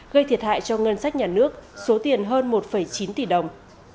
gây thiệt hại cho ngân sách nhà nước số tiền hơn một chín tỷ đồng